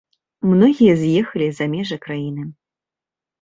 Многія з'ехалі за межы краіны.